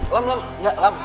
lam lam enggak lam